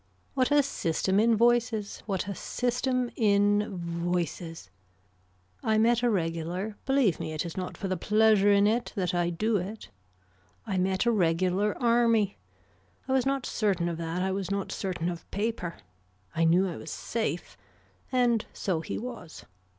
What a system in voices, what a system in voices. I met a regular believe me it is not for the pleasure in it that I do it. I met a regular army. I was not certain of that, I was not certain of paper. I knew I was safe. And so he was.